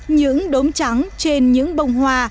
những đốm trắng trên những bông hoa